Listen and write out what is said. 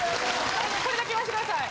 これだけ言わして下さい。